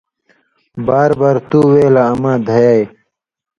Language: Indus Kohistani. بار بار تُو وے لا اما دھیای۔